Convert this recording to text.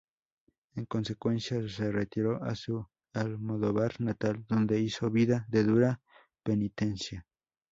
En consecuencia, se retiró a su Almodóvar natal, donde hizo vida de dura penitencia.